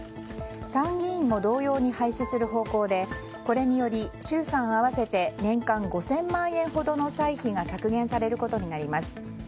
参議院も同様に廃止する方向でこれにより、衆参合わせて年間５０００万円ほどの歳費が削減されることになります。